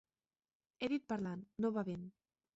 He dit parlant, no bevent.